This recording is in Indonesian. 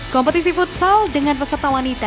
kompetisi futsal dengan peserta wanita